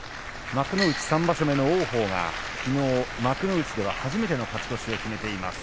幕内３場所目の王鵬がきのう幕内では初めての勝ち越しを決めています。